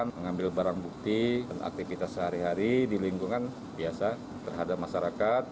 mengambil barang bukti dan aktivitas sehari hari di lingkungan biasa terhadap masyarakat